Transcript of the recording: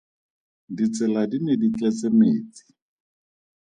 Ditsela di ne di tletse metsi.